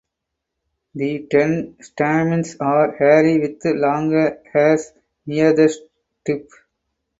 The ten stamens are hairy with longer hairs near the tip.